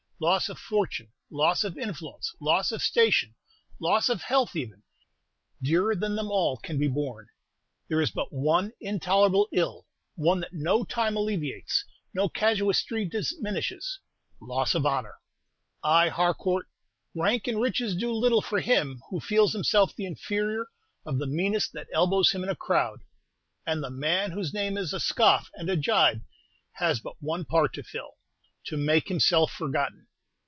Loss of fortune, loss of influence, loss of station, loss of health even, dearer than them all, can be borne. There is but one intolerable ill, one that no time alleviates, no casuistry diminishes, loss of honor! Ay, Harcourt, rank and riches do little for him who feels himself the inferior of the meanest that elbows him in a crowd; and the man whose name is a scoff and a jibe has but one part to fill, to make himself forgotten."